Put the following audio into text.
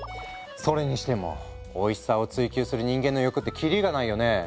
それにしてもおいしさを追求する人間の欲って切りがないよね。